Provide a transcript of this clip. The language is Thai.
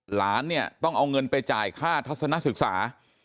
หลานเนี่ยต้องเอาเงินไปจ่ายค่าทัศนศึกษา